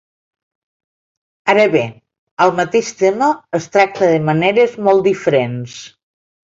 Ara bé, el mateix tema es tracta de maneres molt diferents.